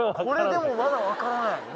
これでもまだ分からない